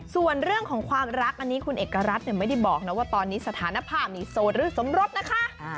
ส่วนเรื่องของความรักอันนี้คุณเอกรัฐไม่ได้บอกนะว่าตอนนี้สถานภาพนี้โสดหรือสมรสนะคะ